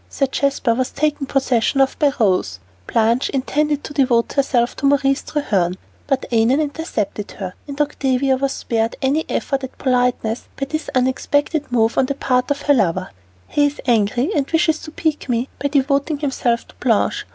Sir Jasper was taken possession of by Rose, Blanche intended to devote herself to Maurice Treherne, but Annon intercepted her, and Octavia was spared any effort at politeness by this unexpected move on the part of her lover. "He is angry, and wishes to pique me by devoting himself to Blanche.